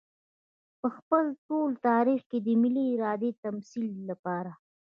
په خپل ټول تاريخ کې د ملي ارادې د تمثيل لپاره.